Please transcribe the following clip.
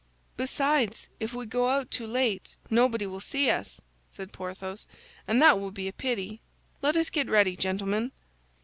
"Besides, if we go out too late, nobody will see us," said Porthos, "and that will be a pity. Let us get ready, gentlemen."